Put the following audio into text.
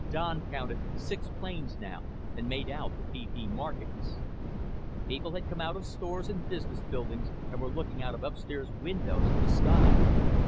Don counted six planes now and made out the PP markings. People had come out of stores and business buildings and were looking out of upstairs windows at the sky.